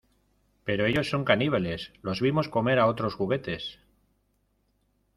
Pero ellos son caníbales. Los vimos comer a otros juguetes .